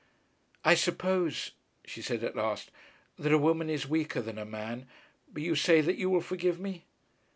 'I suppose,' she said at last, 'that a woman is weaker than a man. But you say that you will forgive me?'